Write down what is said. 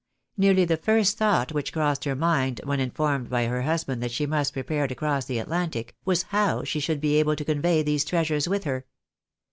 Nearly the first thought which crossed her mind when informed by her husband that she must prepare to cross the Atlantic, was how she should be able to convey these treasures with her.